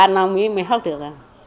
ba năm năm mới học được